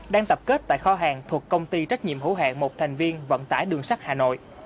đang tập kết tại kho hàng thuộc công ty trách nhiệm hữu hạng một thành viên vận tải đường sắt hà nội